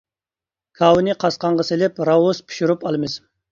كاۋىنى قاسقانغا سېلىپ راۋرۇس پىشۇرۇپ ئالىمىز.